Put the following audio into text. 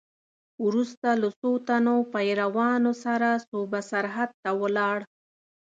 وروسته له څو تنو پیروانو سره صوبه سرحد ته ولاړ.